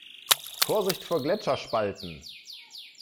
Vorsicht vor Gletscherspalten!